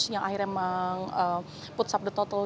yang akhirnya mengeput sabda total